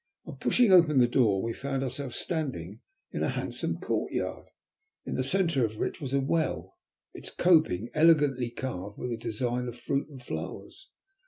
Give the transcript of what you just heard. On pushing open the door we found ourselves standing in a handsome courtyard, in the centre of which was a well, its coping elegantly carved with a design of fruit and flowers.